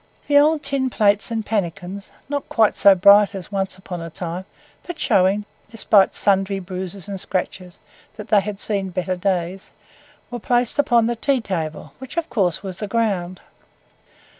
The old tin plates and pannicans, not quite so bright as once upon a time, but showing, despite sundry bruises and scratches, that they had seen better days, were placed upon the tea table, which of course was the ground.